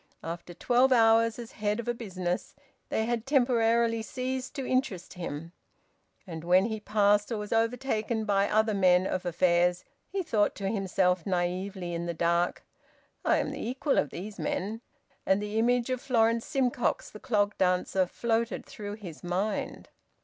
After twelve hours as head of a business, they had temporarily ceased to interest him. And when he passed, or was overtaken by, other men of affairs, he thought to himself naively in the dark, "I am the equal of these men." And the image of Florence Simcox, the clog dancer, floated through his mind.